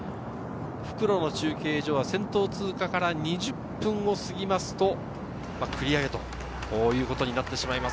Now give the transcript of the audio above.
復路の中継所は先頭通過から２０分を過ぎますと繰り上げとなってしまいます。